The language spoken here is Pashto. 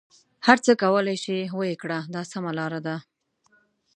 هر څه کولای شې ویې کړه دا سمه لاره ده.